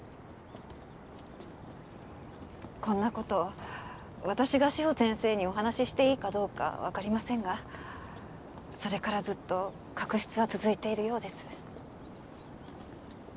こんな事私が志保先生にお話ししていいかどうかわかりませんがそれからずっと確執は続いているようです。